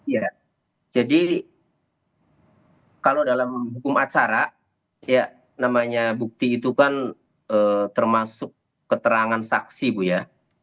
ya jadi kalau dalam hukum acara ya namanya bukti itu kan termasuk keterangan saksi bu ya